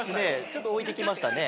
ちょっとおいてきましたね。